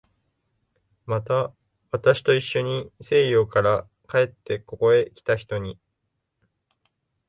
また、私といっしょに西洋から帰ってここへきた人に